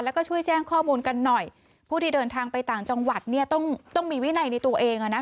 แล้วก็ช่วยแจ้งข้อมูลกันหน่อยผู้ที่เดินทางไปต่างจังหวัดเนี่ยต้องต้องมีวินัยในตัวเองอ่ะนะ